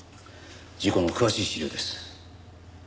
事故の詳しい資料です。